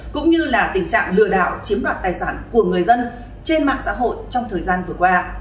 cũng như là tình trạng lừa đảo chiếm đoạt tài sản của người dân trên mạng xã hội trong thời gian vừa qua